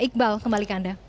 iqbal kembali ke anda